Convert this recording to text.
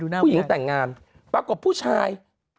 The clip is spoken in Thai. ผู้หญิงแต่งงานปรากฏผู้ชาย